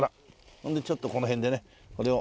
ほんでちょっとこの辺でねこれを。